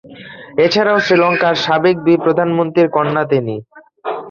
এছাড়াও, শ্রীলঙ্কার সাবেক দুই প্রধানমন্ত্রীর কন্যা তিনি।